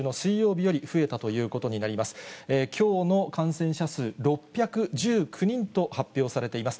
きょうの感染者数、６１９人と発表されています。